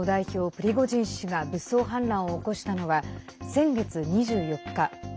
プリゴジン氏が武装反乱を起こしたのは、先月２４日。